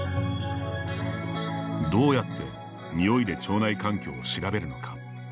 どうやって、においで腸内環境を調べるのか。